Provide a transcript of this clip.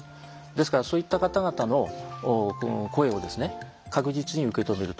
ですからそういった方々の声をですね確実に受け止めると。